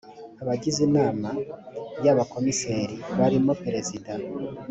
abagize inama y abakomiseri barimo perezida